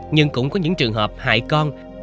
nhưng cũng có những trường hợp hại con